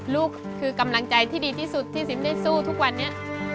ลูกคือกำลังใจที่ดีที่สุดที่ซิมได้สู้ทุกวันนี้